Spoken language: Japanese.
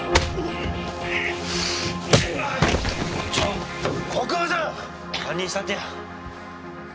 ちょっ国分さん！堪忍したってや。